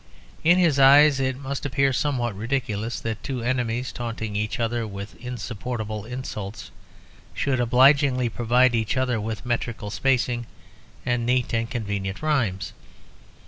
In his eyes it must appear somewhat ridiculous that two enemies taunting each other with insupportable insults should obligingly provide each other with metrical spacing and neat and convenient rhymes.